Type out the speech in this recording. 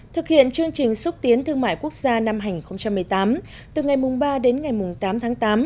thực hiện chương trình xúc tiến thương mại quốc gia năm hai nghìn một mươi tám từ ngày ba đến ngày tám tháng tám